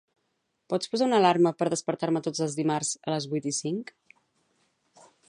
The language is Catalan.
Pots posar una alarma per despertar-me tots els dimarts a les vuit i cinc?